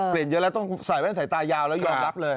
เยอะแล้วต้องใส่แว่นสายตายาวแล้วยอมรับเลย